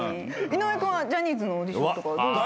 井上君はジャニーズのオーディションとかはどうですか？